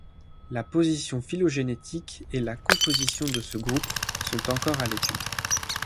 La position phylogénétique et la composition de ce groupe sont encore à l'étude.